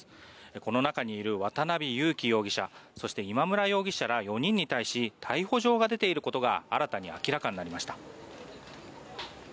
この中にいる渡邉優樹容疑者そして、今村容疑者ら４人に対し逮捕状が出ていることが新たに明らかになりました。